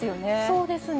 そうですね。